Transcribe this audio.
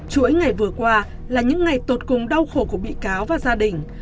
chuỗi ngày vừa qua là những ngày tột cùng đau khổ của bị cáo và gia đình